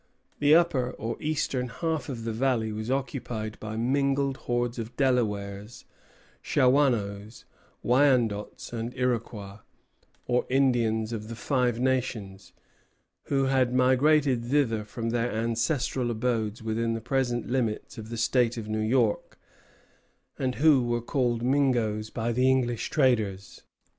The upper or eastern half of the valley was occupied by mingled hordes of Delawares, Shawanoes, Wyandots, and Iroquois, or Indians of the Five Nations, who had migrated thither from their ancestral abodes within the present limits of the State of New York, and who were called Mingoes by the English traders.